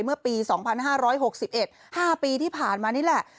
เมื่อปี๒๕๖๑๕ปีที่ผ่านมานี่แหละ